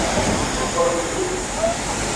Me ntol bitôdô.